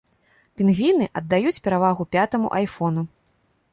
Пінгвіны аддаюць перавагу пятаму айфону.